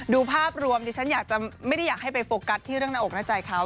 ภาพรวมดิฉันอยากจะไม่ได้อยากให้ไปโฟกัสที่เรื่องหน้าอกหน้าใจเขา